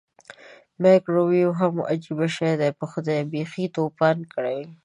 مایکرو ویو هم عجبه شی دی پخدای بیخې توپان کوي.